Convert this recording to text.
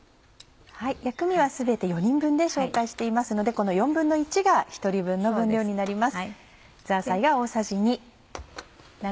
薬味は全て４人分で紹介していますのでこの１／４が１人分の分量になります。